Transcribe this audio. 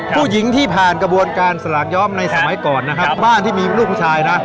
ผู้หญิงที่ผ่านกระบวนการสลากย้อมในสมัยก่อนนะครับบ้านที่มีลูกผู้ชายนะ